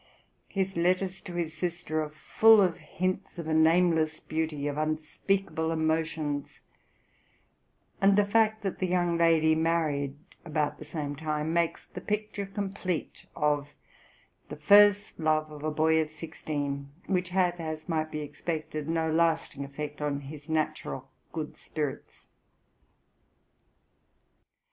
His letters to his sister are full of hints of a nameless beauty, of unspeakable emotions; and the fact that the young lady married about the same time makes the picture complete of the first love of a boy of sixteen, which had, as might be expected, no lasting effect on his natural good spirits.